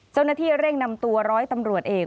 เจ้าหน้าที่เร่งนำตัวร้อยตำรวจเอก